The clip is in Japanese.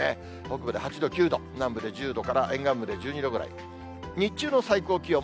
北部で８度、９度、南部で１０度から、沿岸部で１２度くらい、日中の最高気温。